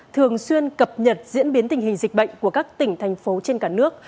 thường xuyên cập nhật diễn biến tình hình dịch bệnh của các tỉnh thành phố trên cả nước